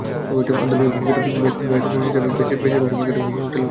আন্তর্জাতিক ক্রিকেটের ব্যস্ত সূচির চাপে বেশির ভাগ সময়ই কাটে হোটেলে হোটেল।